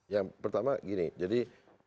yang pertama gini jadi